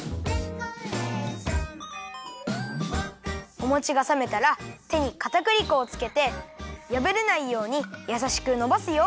おもちがさめたらてにかたくり粉をつけてやぶれないようにやさしくのばすよ。